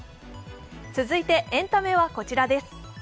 続いてエンタメはこちらです。